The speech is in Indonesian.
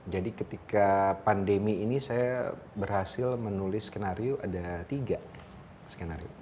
jadi ketika pandemi ini saya berhasil menulis skenario ada tiga skenario